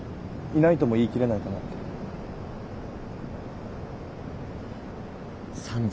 いないとも言い切れないかなって。